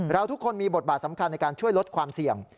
ทุกคนมีบทบาทสำคัญในการช่วยลดความเสี่ยง